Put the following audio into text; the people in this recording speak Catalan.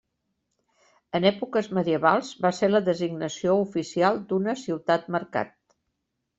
En èpoques medievals va ser la designació oficial d'una ciutat-mercat.